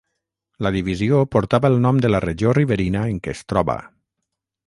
La divisió portava el nom de la regió Riverina en què es troba.